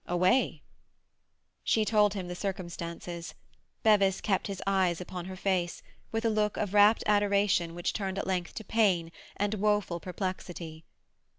"Away?" She told him the circumstances. Bevis kept his eyes upon her face, with a look of rapt adoration which turned at length to pain and woeful perplexity.